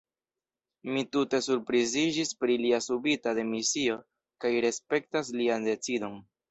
Mi tute surpriziĝis pri lia subita demisio, kaj respektas lian decidon.